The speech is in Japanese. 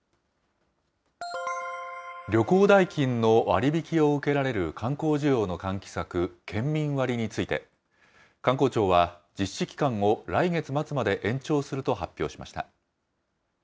旅行代金の割引を受けられる観光需要の喚起策、県民割について、観光庁は、実施期間を来月末まで延長すると発表しました。